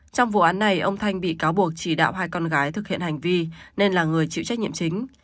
trong vụ án này ông thanh bị cáo buộc chỉ đạo hai con gái thực hiện hành vi nên là người chịu trách nhiệm chính